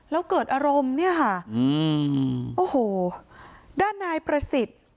แล้วเกิดอารมณ์เนี่ยค่ะอืมโอ้โหด้านนายประสิทธิ์